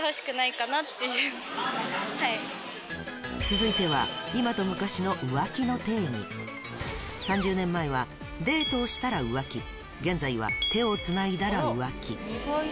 続いては今と昔の３０年前はデートをしたら浮気現在は手をつないだら浮気